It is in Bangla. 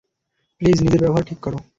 প্লিজ, নিজের ব্যবহার ঠিক করো।